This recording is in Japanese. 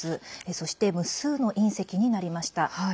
そして無数の隕石になりました。